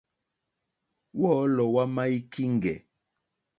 Wɔ́ɔ̌lɔ̀ wá má í kíŋɡɛ̀.